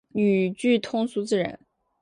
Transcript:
语句通俗自然